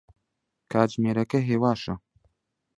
کاتژمێرەکە هێواشە.